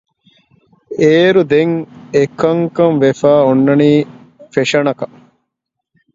އޭރުދެން އެކަންކަން ވެފައި އޮންނަނީ ފެޝަނަކަށް